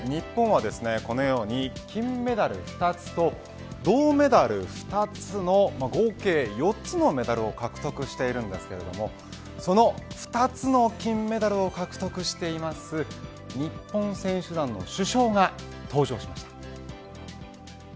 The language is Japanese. ここまで日本はこのように金メダル２つと銅メダル２つの合計４つのメダルを獲得しているんですけどその２つの金メダルを獲得している日本選手団の主将が登場しました。